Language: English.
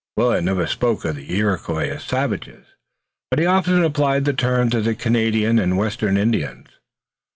Willet never spoke of the Iroquois as "savages," but he often applied the term to the Canadian and Western Indians.